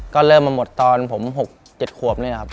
ก็เริ่มมาหมดตอนผม๖๗ขวบนี่นะครับ